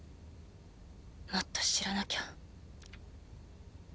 もっと知らなきゃ。